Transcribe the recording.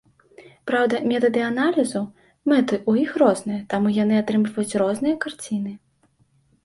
Праўда, метады аналізу, мэты ў іх розныя, таму яны атрымліваюць розныя карціны.